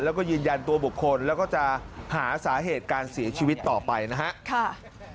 แล้วก็ยืนยันตัวบุคคลแล้วก็จะหาสาเหตุการเสียชีวิตต่อไปนะครับ